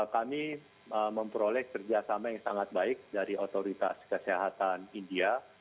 kami memperoleh kerjasama yang sangat baik dari otoritas kesehatan india